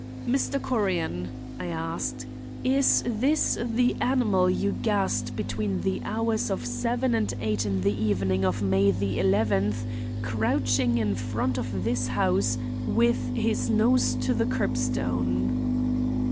"Mr. Correan," I asked, "is this the animal you gassed between the hours of seven and eight on the evening of May the eleventh, crouching in front of this house with his nose to the curbstone?"